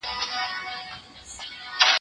په تن خوار دی خو په عقل دی تللی